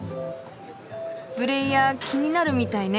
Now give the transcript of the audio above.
プレーヤー気になるみたいね。